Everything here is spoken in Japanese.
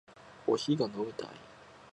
コーヒーが飲みたい